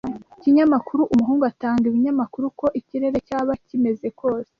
Ikinyamakuru umuhungu atanga ibinyamakuru uko ikirere cyaba kimeze kose.